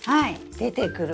出てくる。